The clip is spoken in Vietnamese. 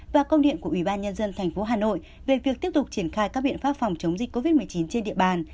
và công điện của ủy ban nhân dân tp hà nội về việc tiếp tục triển khai các biện pháp phòng chống dịch covid một mươi chín trên địa bàn